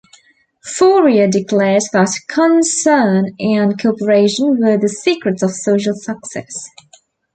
Fourier declared that concern and cooperation were the secrets of social success.